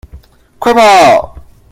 快跑！